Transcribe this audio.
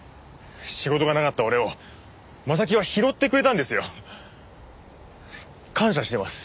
仕事がなかった俺を征木は拾ってくれたんですよ。感謝しています。